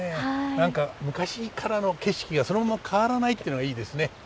何か昔からの景色がそのまま変わらないってのがいいですね。